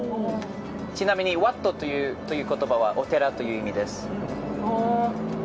ちなみにワットという言葉はお寺という意味です。